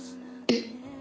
えっ！